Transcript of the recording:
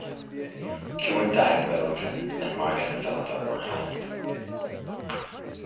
Joan died while in prison and Margaret and Phillipa were hanged.